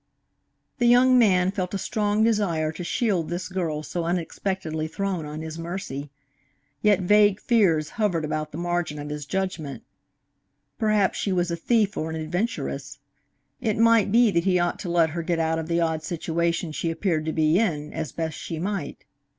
The young man felt a strong desire to shield this girl so unexpectedly thrown on his mercy. Yet vague fears hovered about the margin of his judgment. Perhaps she was a thief or an adventuress. It might be that he ought to let her get out of the odd situation she appeared to be in, as best she might.